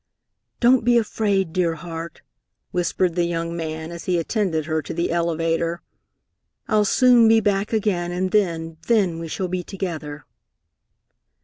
"Don't be afraid, dear heart," whispered the young man, as he attended her to the elevator. "I'll soon be back again, and then, then, we shall be together!"